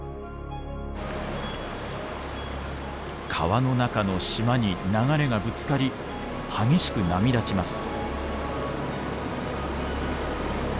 川の中の島に流れがぶつかり激しく波立ちます。